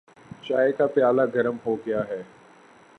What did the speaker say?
چائے کا پیالہ گرم ہوگیا ہے۔